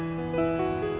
tidak tidak mau